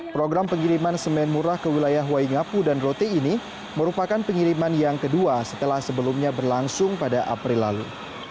program pengiriman semen murah ke wilayah huaingapu dan rote ini merupakan pengiriman yang kedua setelah sebelumnya berlangsung pada april lalu